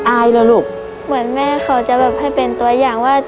เหรอลูกเหมือนแม่เขาจะแบบให้เป็นตัวอย่างว่า